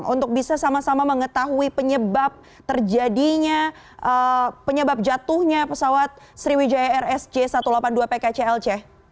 untuk bisa sama sama mengetahui penyebab terjadinya penyebab jatuhnya pesawat sriwijaya rsj satu ratus delapan puluh dua pkclc